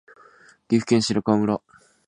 岐阜県白川村